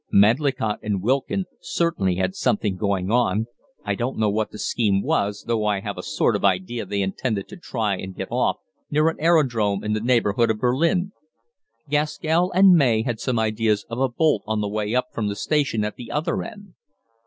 Medlicott and Wilkin certainly had something on I don't know what the scheme was, though I have a sort of idea they intended to try and get off near an aerodrome in the neighborhood of Berlin. Gaskell and May had some ideas of a bolt on the way up from the station at the other end.